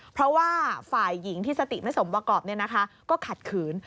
เพราะว่าฝ่ายหญิงที่สติไม่สมประกอบก็ขัดขืน